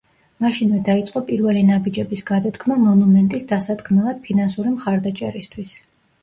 მაშინვე დაიწყო პირველი ნაბიჯების გადადგმა მონუმენტის დასადგმელად ფინანსური მხარდაჭერისთვის.